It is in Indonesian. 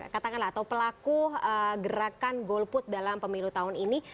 katakanlah atau pelaku gerakan golput dalam pemilu tahun ini